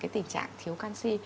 tình trạng thiếu canxi